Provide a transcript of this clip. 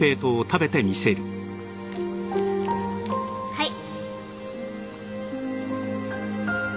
はい